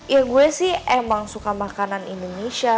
ya gue sih emang suka makanan indonesia